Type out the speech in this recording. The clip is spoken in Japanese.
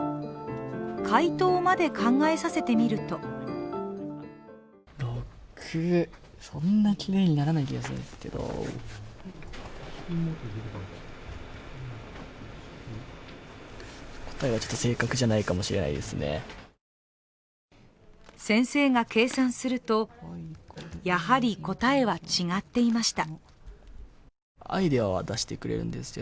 解答まで考えさせてみると先生が計算するとやはり、答えは違っていました。